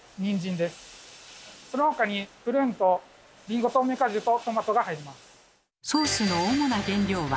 その他にプルーンとりんご透明果汁とトマトが入ります。